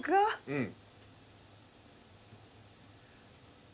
うん。